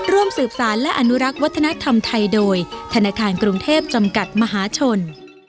ร่วมสืบสารและอนุรักษ์วัฒนธรรมไทยโดยธนาคารกรุงเทพจำกัดมหาชน